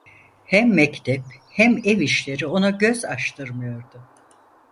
Hem mektep, hem ev işleri ona göz açtırmıyordu.